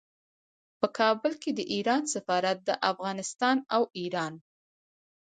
په کابل کې د ایران سفارت د افغانستان او ایران